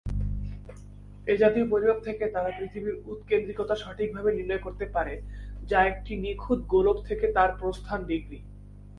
এ জাতীয় পরিমাপ থেকে তারা পৃথিবীর উৎকেন্দ্রিকতা সঠিকভাবে নির্ণয় করতে পারে যা একটি নিখুঁত গোলক থেকে তার প্রস্থান ডিগ্রি।